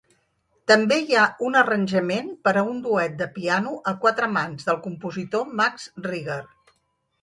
També hi ha un arranjament per a un duet de piano a quatre mans del compositor Max Reger.